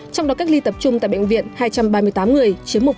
trong đó cách ly tập trung tại bệnh viện hai trăm ba mươi tám người chiếm một